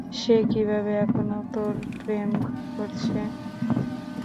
সে কীভাবে এখনও তোর প্রেম করছে?